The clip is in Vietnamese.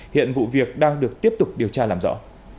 hiện vụ việc đang được tiếp tục điều tra làm rõ